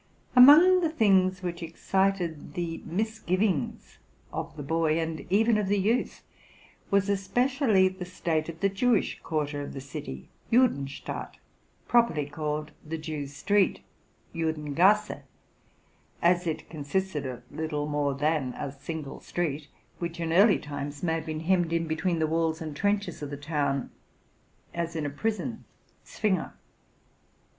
Among the things which excited the misgivings of the boy, and even of the youth, was especially the state of the Jewish quarter of the city (Sudenstadt) , properly called the Jew Street (Judengasse) ; as it consisted of little more than a single street, which in early times may have been hemmed in between the walls and trenches of the town, as in a prison (Zwinger).